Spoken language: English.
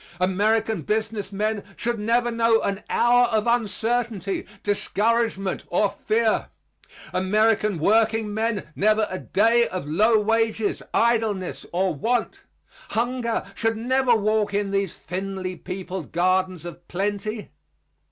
American business men should never know an hour of uncertainty, discouragement or fear; American workingmen never a day of low wages, idleness or want. Hunger should never walk in these thinly peopled gardens of plenty.